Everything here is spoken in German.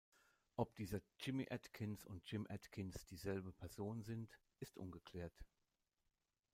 Ob dieser Jimmy Atkins und Jim Atkins dieselbe Person sind, ist ungeklärt.